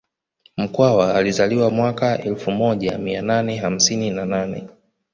Mkwawa alizaliwa mwaka wa elfu moja mia nane hamsini na nane